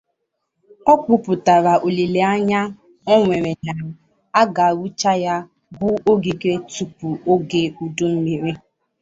O kwupụtara olileanya o nwere na a ga-arụcha ya bụ ogige tupu oge udummiri